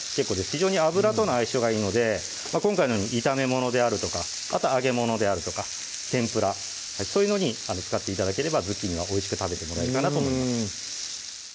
非常に油との相性がいいので今回のように炒め物であるとかあと揚げ物であるとか天ぷらそういうのに使って頂ければズッキーニはおいしく食べてもらえるかなと思います